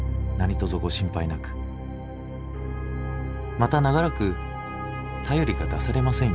「また長らく便りが出されません